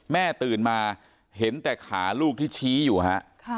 ตื่นมาเห็นแต่ขาลูกที่ชี้อยู่ฮะ